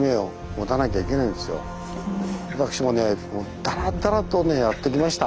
私もねだらだらとねやってきました。